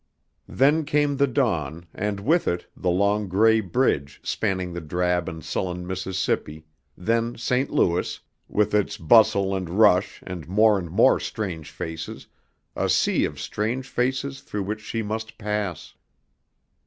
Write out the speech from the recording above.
Then came the dawn and with it the long gray bridge spanning the drab and sullen Mississippi, then St. Louis, with its bustle and rush and more and more strange faces, a sea of strange faces through which she must pass.